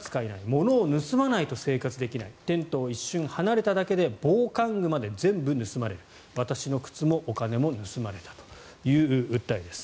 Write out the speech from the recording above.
物を盗まないと生活できないテントを一瞬離れただけで防寒具まで全部盗まれる私の靴もお金も盗まれたという訴えです。